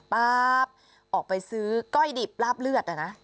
ป๊าบออกไปซื้อก้อยดิบลาบเลือดนะ